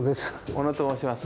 小野と申します。